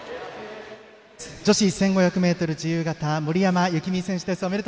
女子１５００ｍ自由形、森山幸美選手です。